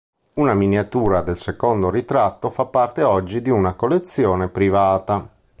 Una miniatura del secondo ritratto fa parte oggi di una collezione privata.